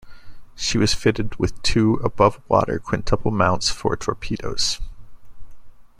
She was fitted with two above-water quintuple mounts for torpedoes.